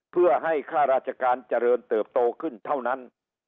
เพื่อให้ค่าราชการเจริญเติบโตขึ้นเท่านั้น